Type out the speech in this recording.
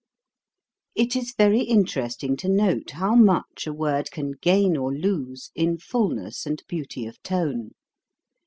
It is very interesting to note how much a word can gain or lose in fulness and beauty of tone.